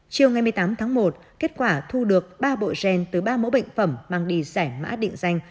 chiều ngày một mươi tám tháng một kết quả thu được ba bộ gen từ ba mẫu bệnh phẩm mang đi giải mã định danh